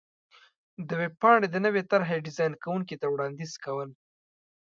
-د ویبپاڼې د نوې طر حې ډېزان کوونکي ته وړاندیز کو ل